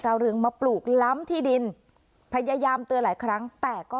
เรืองมาปลูกล้ำที่ดินพยายามเตือนหลายครั้งแต่ก็